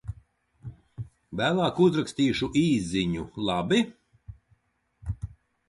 Vēlāk uzrakstīšu īsziņu, labi?